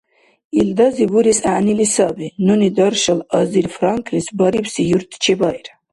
Илдази бурес гӀягӀнили саби: «Нуни даршал азир франклис барибси юрт чебаира»